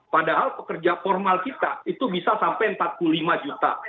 padahal pekerja formal kita itu bisa sampai empat puluh lima juta